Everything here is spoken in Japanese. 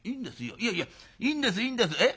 いやいやいいんですいいんです。